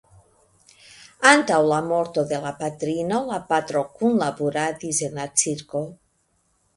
Antaŭ la morto de la patrino la patro kunlaboradis en la cirko.